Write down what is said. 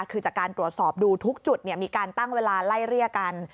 คือจากการตรวจสอบดูทุกจุดมีการตั้งเวลาไล่เรียกกัน